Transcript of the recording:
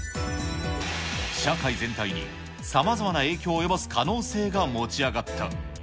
社会全体にさまざまな影響を及ぼす可能性が持ち上がった。